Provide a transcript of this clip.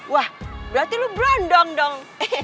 wah berarti lu brondong dong